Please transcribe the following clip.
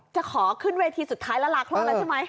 จะขอขึ้นเวทีสุดท้ายแล้วลาคลอดแล้วใช่ไหม